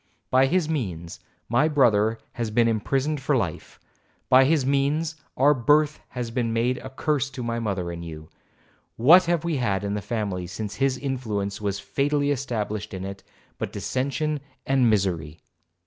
By his means my brother has been imprisoned for life;—by his means our birth has been made a curse to my mother and to you. What have we had in the family since his influence was fatally established in it, but dissension and misery?